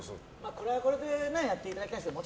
これはこれでやっていただきたいですけど